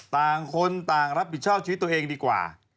ต่างคนต่างรับผิดชอบชีวิตตัวเองดีกว่า